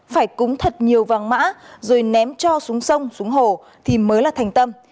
phải cúng thật nhiều vàng mã rồi ném cho xuống sông xuống hồ thì mới là thành tâm